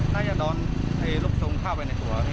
น่าจะโดนรูปทรงเข้าไปในตัว